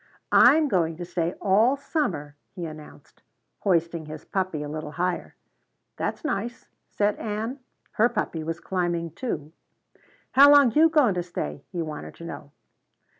"I'm going to stay all summer," he announced, hoisting his puppy a little higher. "That's nice," said Ann; her puppy was climbing too. "How long you goin' to stay?" he wanted to know.